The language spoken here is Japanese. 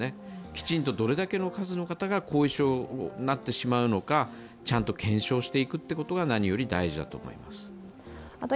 きちんと、どれだけの方が後遺症になってしまうのかちゃんと検証していくっていうことが何より大事だと思います。